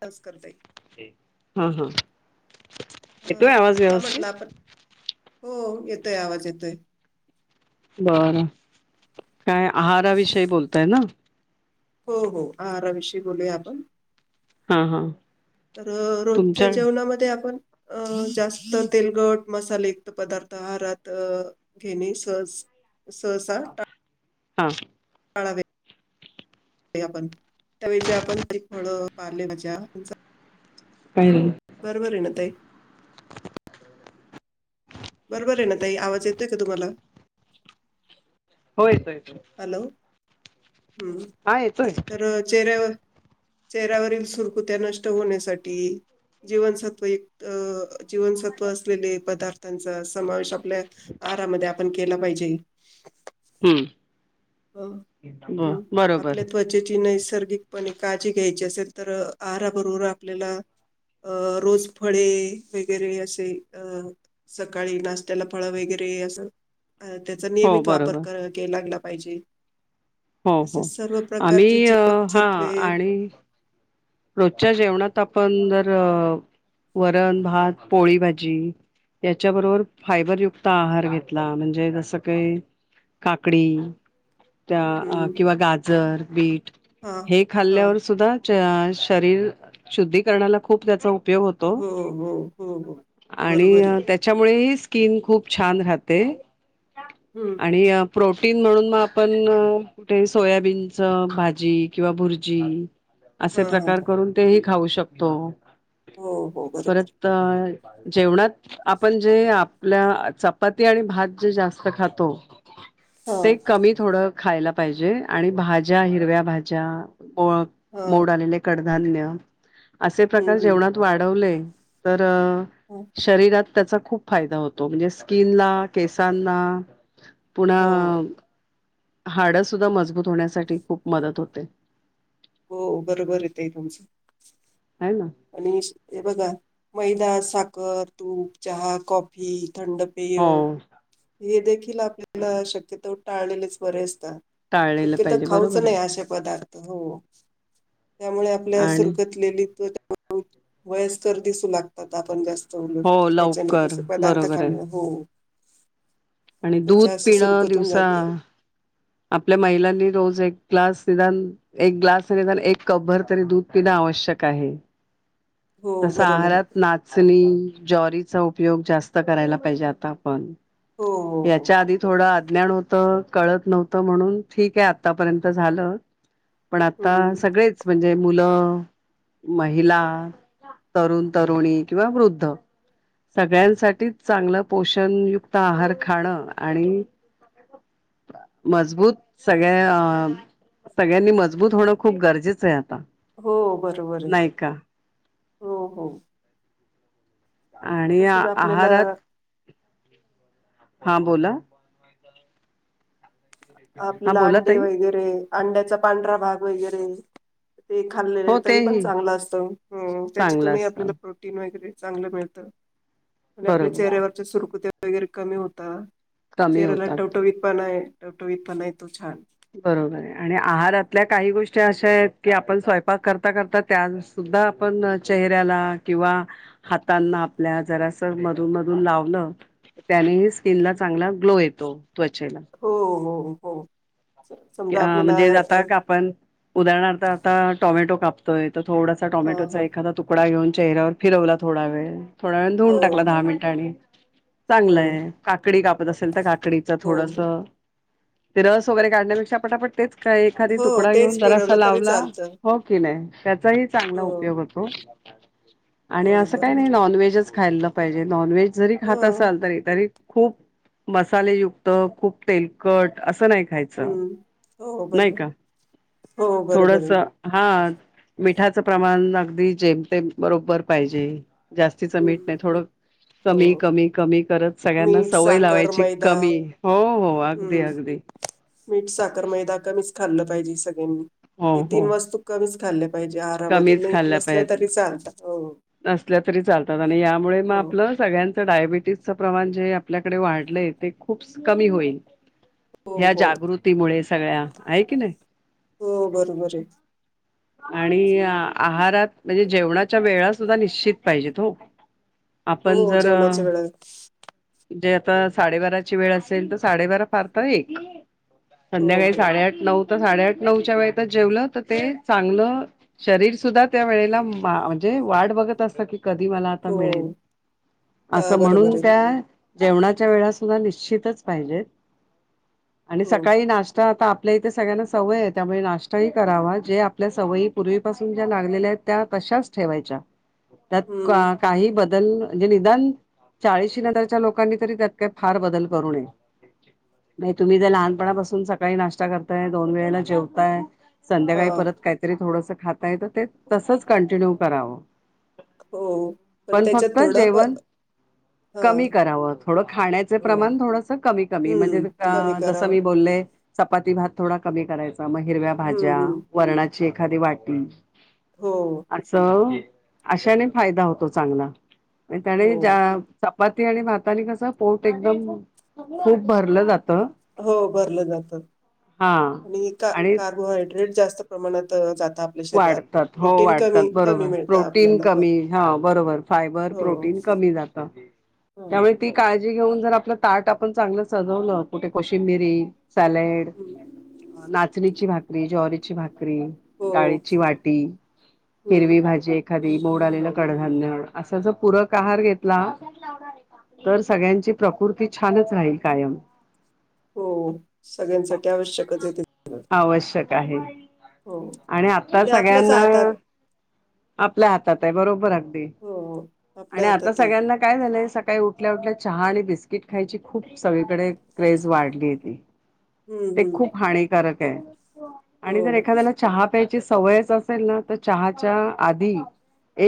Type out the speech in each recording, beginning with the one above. तज करतय. हम्म हम्म. ह हा म्हटलं आपण, हो येतोय आवाज येतोय. बरं, काय आहाराविषयी बोलताय ना? हो हो आहराविषयी बोलूया आपण. हा हा तर रोजच्या तुमच्या जेवणामध्ये आपण अ जास्त तेलकट मसालेयुक्त पदार्थ आहारात अ घेणे सह सहसा टा हा. ळावे आपण त्या ऐवजी आपण काही फळं पाले भाज्या काय नाही. बरोबर आहे ना ताई? [inaudible] बरोबर आहे ना ताई? आवाज येतोय का तुम्हाला? हो येतोय येतोय. हॅलो, हम्म, हा येतोय तर चेहऱ्यावर चेहऱ्यावरील सुरकुत्या नष्ट होण्यासाठी. जीवनसत्वयुक्त जीवनसत्व असलेले पदार्थ. त्यांचा समावेश आपल्या आहरामध्ये आपण केला पाहिजे. हम्म ब बरोबर. म्हणजे जी नैसर्गिकपणे काळजी घ्यायची असेल, तर आहारबरोबर आपल्याला अ रोज फळे वगैरे असे अ सकाळी नाश्त्याला फळं वगैरे असं अ त्याचा हो नियमित वापर बरोबर के लागला पाहिजे. हो हो असेच सर्व आम्ही प्रकारची हा जीवनसत्वे आणि रोजच्या जेवणात आपण जर वरण, भात, पोळी भाजी त्याच्याबरोबर फायबरयुक्त आहार घेतला म्हणजे जसं काही काकडी. त्या हं, किंवा गाजर बीट हां, हे हां. खाल्ल्यावर सुद्धा चे शरीर शुद्धीकरणाला खूप त्याचा उपयोग होत हो, हो, हो, हो. आणि बरोबर आहे. त्या च्यामुळे ही स्किन खूप छान राहते. हम्म. आणि प्रोटीन म्हणून मग आपण कुठे सोयाबीनचं भाजी किंवा भुर्जी असे हां, हां, प्रकार हां. करून ते ही खाऊ शकतो. हो, हो, बरोबर आहे. परत जेवणात आपण जे आपल्या चपाती आणि भात जे जास्त खातो ते हां, कमी थोडं खायला पाहिजे आणि भाज्या हिरव्या भाज्या हां. मोड आलेले कडधान्य असे हं, प्रकार हं. जेवणात वाढवले तर हो. शरीरात त्याचा खूप फायदा होतो म्हणजे स्किनला केसांना हां. पुन्हा हाडं सुद्धा मजबूत होण्यासाठी खूप मदत होते. हो बरोबर ये ते तुमचं. आहे ना. आणि हे बघा मैदा, साखर, तूप, चहा, कॉफी, थंड पेय हो हे देखील आपल्याला शक्यतो टाळलेलेच बरे असतात. टाळलेलं शक्य तर पाहिजे खाऊच बरोबर नाही आहे अशे पदार्थ, हो. त्यामुळे आपल्या आणि सुरकतलेली वयस्कर दिसू लागतात आपण जास्त चायनीज हो त्याच्याने लवकर तसे पदार्थ बरोबर खाण आहे हो आणि दूध त्वचा अशी पिनं सुरकतून दिवसा जाते. आपल्या महिलांनी रोज एक ग्लास निदान एक ग्लास नाही निदान एक कप भर तरी दूध पिणं आवश्यक आहे. [inaudible] तसं बरोबर आहे आहारात नाचणी, ज्वरीचा उपयोग जास्त करायला पाहिजे आता आपण. हो हो च्या आधी थोडं अज्ञान होत कळत नव्हतं म्हणून ठीक आहे आतापर्यंत झालं पण आता हम्म सगळेच म्हणजे मुलं, महिला तरुण, तरुणी किंवा वृद्ध. सगळ्यांसाठीच चांगलं पोषणयुक्त आहार खाणं आणि मजबूत सगळ्या सगळ्यांनी मजबूत होणं खूप गरजेचं आहे आता. हो बरोबर आहे, नाही का हो हो. आणि तसच आपल्याला आहारात, हा बोला हा आपल्याला बोला अंडे ताई वगैरे अंड्याचा पांढरा भाग वगैरे ते खाल्लेले हो तरी पण तेही चांगलं असतं त्याच्यातून चांगलं ही आपल्याला असतं प्रो [unintelligible] चांगल मिळत [inaudible] आणि बरोबर चेहऱ्यावर सुरकुत्या वगैरे कमी होता, कमी चेहऱ्याला होतात टवटवीत पण आहे. टवटवीत पणा येतो छान. बरोबर आहे आणि आहारातल्या काही गोष्टी अशा आहेत की आपण स्वयंपाक करता, करता त्या सुद्धा आपण चेहऱ्याला किंवा हातांना आपल्या जरास मधून, मधून लावलं त्यानेही स्किन ला चांगला ग्लो येतो त्वचेला. हो हो हो. स- समजा अ आपल्याला म्हणजे अ, जाता का आपण उदाहरणार्थ आता टोमॅटो कापतोय तर थोडासा हा हा टोमॅटोचा एखादा तु तुकडा घेऊन चेहऱ्यावर फिरवला थोडा वेळ, थोडा वेळ धुवून हो टाकला दहा मिनिटांनी हो चांगलंय काकडी कापत असेल तर काकडीचं हो थोडस हो ते रस वगैरे काढण्यापेक्षा पटापट तेच काय एखादी हो तुकडा घेऊन तेच जरासा फिरवलं तरी लावला, चालतं हो की नाही त्यांचाही चांगला हो उपयोग होतो आणि हो असं काही बरोबर नाही नॉनव्हेजच खायलं पाहिजे नॉनव्हेज जरी हो खात असाल तरी, तरी खूप मसालेयुक्त, खूप तेलकट असं नाही खाय हम्म, हो बरोबर. हो बरोबर थोडस. आहे हा मिठाचं प्रमाण अगदी जेमतेम बरोबर पाहिजे. जास्तीच मीठ नाही हम्म थोड हो कमी कमी कमी करत सगळ्यांना मीठ सवय साखर लावायची मैदा कमी हो हो अगदी हम्म अगदी. मीठ साखर मैदा कमीच खाल्लं पाहिजे सगळ्यांनी हो हे तीन हो वास्तू कमीच खाल्ले पाहिजे आज. कमीच नसल्या तरी चालत. नसल्या तरी चालतात आणि यामुळे मग आपलं सगळ्यांचं डायबिटीस. प्रमाण जे आपल्याकडे वाढलंय ते खूप कमी होईल. हो ह्या हो जागृतीमुळे सगळ्या आहे की नाही. हो बरोबर आहे. आणि आहारात म्हणजे जेवणाच्या वेळा सुद्धा निश्चित पाहिजेत हो. आपण हो जर. जेवणाच्या वेळा जे आता साडेबाराची वेळ असेल तर साडेबारा फार तर एक. हो संध्याकाळी हो साडेआठ नऊ तर साडेआठ नऊच्या वेळेतच जेवलं तर ते. चांगलं शरीर सुद्धा त्या वेळेला मा म्हणजे वाढ बघत असत की. कधी मला आता हो मिळेल हा असं बरोबर म्हणून आहे त्या. जेवणाच्या वेळा सुद्धा निश्चितच पाहिजेत आणि हो सकाळी नाश्ता आता. आपल्या इथे सगळ्यांना सवय आहे त्यामुळे नाश्ताही करावा जे. आपल्या सवयी पूर्वीपासून ज्या लागलेल्या आहेत त्या तशाच ठेवायच्या त्यात. हम्म काही बदल म्हणजे निदान. चाळीशी नजरच्या लोकांनी तरी त्यात काय फार बदल करू नये. नाही तुम्ही ज लहानपणापासून सकाळी नाश्ता करताय दोन वेळेला जेवताय. संध्याकाळी हा परत काहीतरी थोडसं खाताय तर ते तसंच कंटिन्यू करावं. हो पण त्याच्यात फक्त थोडं. जेवण हा कमी करावं थोडं खाण्याचे हो प्रमाण थोडस कमी कमी म्हणजे हम्म कमी जसं करावं मी बोलले. चपाती भात थोडा कमी करायचा मग हिरव्या भाज्या हम्म हम्म वरणाची एखादी वाटी. हो. असं अशाने फायदा होतो चांगला त्याने हो ज्या चपात. आणि भातानी कसं पोट एकदम खूप भरलं जात. हो भरलं जात हा आणि का आणि कार्बोहायड्रेट जास्त. प्रमाणात जात. वाढतात हो वाढतात बरोबर मिळतं प्रोटीन आपल्याला हं. कमी ह बरोबर फायबर हो, प्रो. कमी जात. हो. ती काळजी घेऊन जर आपलं ताट आपण चांगलं सजवलं कुठे कशीि मिरी. सॅलेड हं. नाचणीची भाकरी ज्वारीची भाकरी. हो, डाळीची वाटी हं. हिरवी भाजी. एखादी मोड आलेलं कडधान्य असा ज पूरक आहार घेतला. तर सगळ्यांची प्रकृती छानच राहील कायम. हो सगळ्यांसाठी आवश्यकच आहे ते. सगळं. आवश्यक आहे हो आणि आता आपल्याच सगळ्यांना. हातात आपल्या हातात आहे बरोबर अगदी हो, आपल्या आणि आता हातात आहे. सगळ्यांना. काय झालंय सकाळी उठल्या उठल्या चहा आणि बिस्किट खायची खूप सगळीकडे क्रेज वाढली होती. [unintelligible] ते हं. खूप हानिकक आहे आणि जर हो. एखाद्याला. चहा प्यायची सवयच असेल ना तर चहाच्या आधी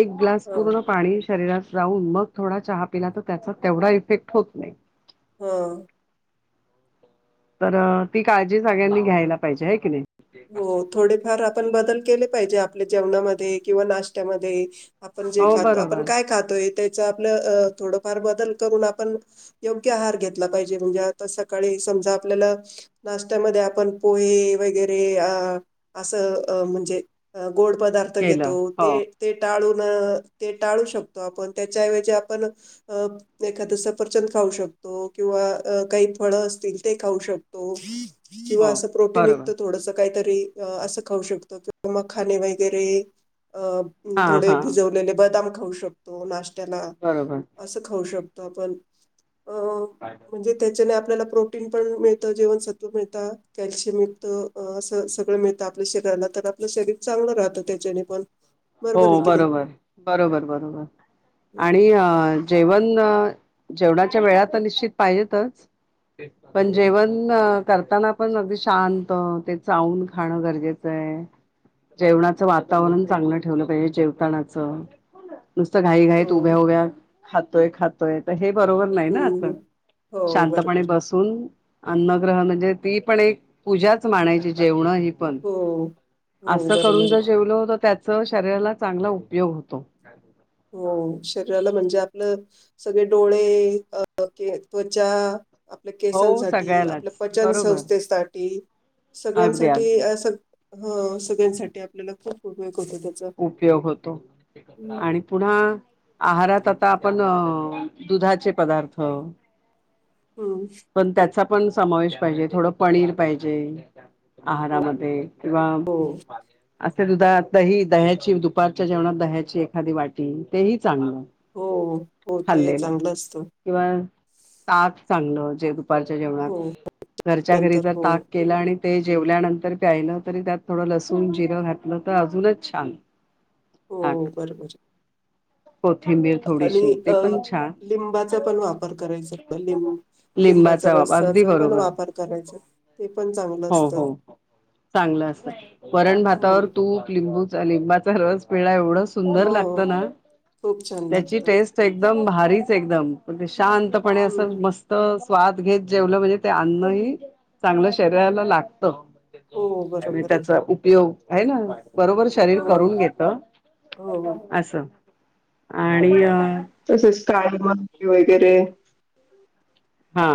एक. ग्लास हं, पूर्ण पाणी शरीरात रावून मग थोडा चहा पिला तर त्याचा तेवढा इफेक्ट होत नाही. हा. तर ती काळजी सगळ्यांनी घ्यायला पाहिजे ह की नाही. हो थोडेफार आपण बदल केले पाहिजे, आपल्या जेवणामध्ये किंवा नाश्त्यामध्ये आपण जे हो खातो आपण बरोबर काय खातोय त्याच आपलं थोडंफार बदल करून आपण योग्य आहार घेतला पाहिजे, म्हणजे आता सकाळी समजा आपल्याला नाश्त्यामध्ये आपण पोहे वगैरे ते अ अस म्हणजे गोड पदार्थ घेतो केलं हो ते ते टाळून ते टाळू शकतो आपण त्याच्याऐवजी आपण अ एखादस पचन खाऊ शकतो किंवा काही फळ असतील ते खाऊ शकतो. किंवा हो असं प्रोटीन युक्त बरोबर थोडस काहीतरी असं खाऊ शकतो कि मग खाणे वगैरे अ हा थोडे हा भिजवलेले बदाम खाऊ शकतो. नाशत्याला बरोबर असं खाऊ शकतो आपण अ काय का? म्हणजे त्याच्याने आपल्याला प्रोटीन पण मिळतं जीवनसत्व मिळतं कॅल्शियम मिळ अस सगळं मिळतं आपल्या शरीराला तर आपलं शरीर चांगलं राहतं त्याच्याने पण हो आहे की नाही? बरोबर बरोबर बरोबर हं, आणि अ जेवण जेवणाच्या वेळा तर निश्चित पाहिजेतच पण हं. जेवण पण करताना, पण अगदी शांत ते चाऊन खाणं गरजेचं आहे. जेवणाचं वातावरण चांगलं ठेवलं पाहिजे जेवतानाच नुसतं घाई घाईत हो. उभ्या उभ्या खातोय खात तोय. हे बरोबर नाही ना अस हं, हो. बरोबर. शांतपणे बस पण अन्नग्रह म्हणजे ती पण एक पूजाच मानायची जेवण हे हो हो असं करून बरोबर आहे जर जेवल तर त्याच शरीराला चांगला उपयोग होतो. ह हो शरीराला म्हणजे आपलं सगळे डोळे अ त्वचा आपल्या हो केसांसाठी आपल्या सगळ्यालाच पचन बरोबर संस्थेसाठी अगदी सगळ्यांसाठी अगदी ह सगळयान सगळ्यांसाठी आपल्याला ख हो [inaudible] हो उपयोग होतो आणि पुन्हा आहारात आता आपण दुधाचे पदार्थ हम पण त्याचा पण समावेश पाहिजे, थोडं पनीर पाहिजे हो आहारामध्ये किंवा हो असे दुधा दही दह्याची दुपारच्या जेवणात दह्याची एखादी वाटी तेही चांगलं हो हो ते खाल्लेलं चांगलं असतं. किंवा ताक चांगलं जेवण दुपारच्या हो जेवणात घरच्या घरी नंतर जर हो ताक केल आणि ते जेवल्यानंतर प्यायलं तरी त्यात थोडं लसूण जिरं घातलं तर अजूनच छान ताक हो बरोबर कोथिंबीर आणि थोडीशी ते अ पण छान लिंबाचा पण वापर करायचोत लिंब लिंबाचा वापर अगदी रसाचा पण बरोबर वापर करायच ते पण चांगलं हो हो असतं चांगलं असतं वरण हो भातावर तूप लिंबू लिंबा सर्स पिळा एवढं सुंदर लागत हो ना खूप छान त्याची लागतं टेस्ट एकदम भारीच एकदम शांतपणे हम्म असं मस्त स्वाद घेत जेवलं म्हणजे ते अन्नही चांगलं शरीराला लागत. हो त्यावेळी बरोबर आहे त्याचा उपयोग आहे ना? बरोबर शरीर हो करून घेत हो. अस आणि अ तसेच काळे मनुके वगैरे हा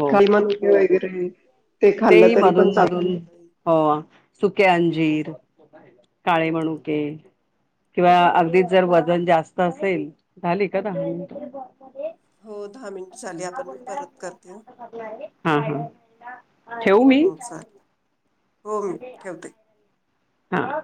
हो. खाई मनुके वगैरे ते तेही खाल्लं तरी मधून पण चालत. मधून हो सुके अंजीर, काळे हो मणुके. किंवा अगदीच जर वजन जास्त असेल, झाली का दहा? [unintelligible] झाले. हो, दहा मिनिट झाली आपण मी परत करते. हा. ठेवू मी? हो चालेल, हो मी ठेवते. हा.